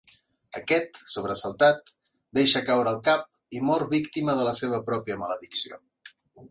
Aquest, sobresaltat, deixa caure el cap i mor víctima de la seva pròpia maledicció.